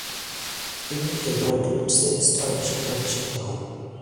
তিনি এডুয়ার্ড লুটসের স্থলাভিষিক্ত হন।